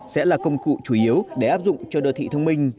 sẽ là công cụ chủ yếu để áp dụng cho đô thị thông minh